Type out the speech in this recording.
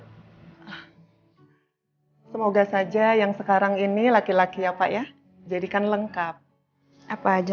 hai semoga saja yang sekarang ini laki laki apa ya jadikan lengkap apa aja